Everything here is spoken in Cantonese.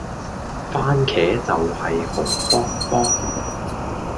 蕃茄就係紅卜卜